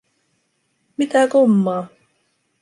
Mitä kummaa?